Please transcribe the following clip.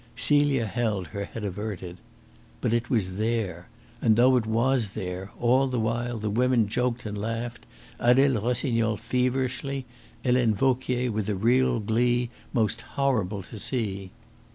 Celia held her head averted. But it was there, and, though it was there, all the while the women joked and laughed, Adele Rossignol feverishly, Helene Vauquier with a real glee most horrible to see.